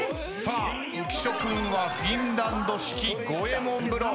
浮所君はフィンランド式五右衛門風呂。